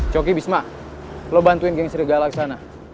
coki bisma lo bantuin geng serigala ke sana